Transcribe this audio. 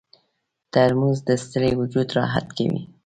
ترموز د ستړي وجود راحت کوي.